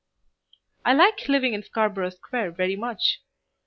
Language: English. I like living in Scarborough Square very much.